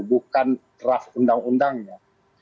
bukan keras undang undangnya